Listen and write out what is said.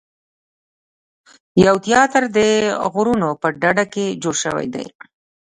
یو تیاتر د غرونو په ډډه کې جوړ شوی دی.